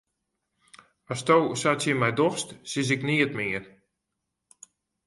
Asto sa tsjin my dochst, sis ik neat mear.